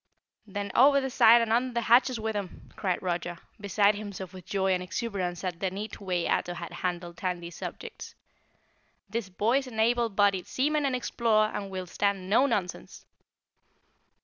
"Then over the side and under the hatches with 'em," cried Roger, beside himself with joy and exuberance at the neat way Ato had handled Tandy's subjects. "This boy's an able bodied seaman and explorer and will stand no nonsense!"